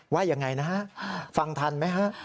ว่ายังไงนะฮะฟังทันไหมฮะ